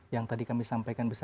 yang tadi kami sampaikan